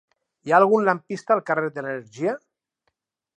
Hi ha algun lampista al carrer de l'Energia?